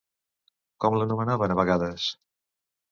Com l'anomenaven a vegades?